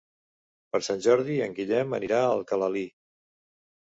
Per Sant Jordi en Guillem anirà a Alcalalí.